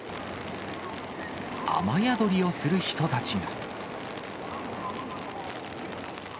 雨宿りをする人たちが。